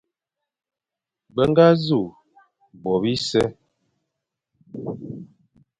Be ñga nẑu bo bise,